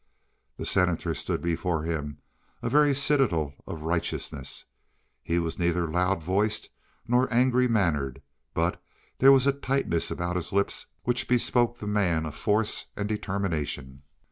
The Senator stood before him, a very citadel of righteousness. He was neither loud voiced nor angry mannered, but there was a tightness about his lips which bespoke the man of force and determination.